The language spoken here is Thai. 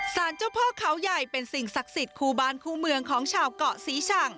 สารเจ้าพ่อเขาใหญ่เป็นสิ่งศักดิ์สิทธิ์คู่บ้านคู่เมืองของชาวเกาะศรีชัง